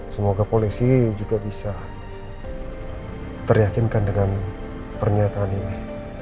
semoga polisi juga bisa teryakinkan dengan pernyataan ini